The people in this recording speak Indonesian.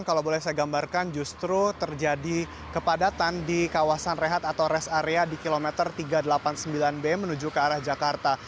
kalau boleh saya gambarkan justru terjadi kepadatan di kawasan rehat atau rest area di kilometer tiga ratus delapan puluh sembilan b menuju ke arah jakarta